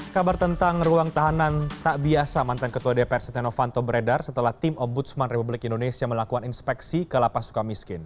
kabar tentang ruang tahanan tak biasa mantan ketua dpr setia novanto beredar setelah tim ombudsman republik indonesia melakukan inspeksi ke lapas suka miskin